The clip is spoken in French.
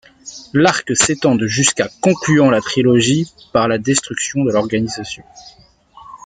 L'arc s'étend de ' jusqu'à ', concluant la trilogie par la destruction de l'organisation.